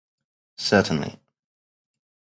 Certainly.